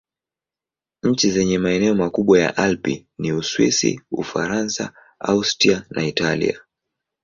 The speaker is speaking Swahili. Nchi zenye maeneo makubwa ya Alpi ni Uswisi, Ufaransa, Austria na Italia.